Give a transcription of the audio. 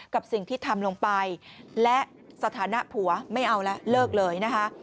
กับสิ่งที่ทำลงไปและสถานะผัวไม่เอาแล้วเลิกเลยนะคะ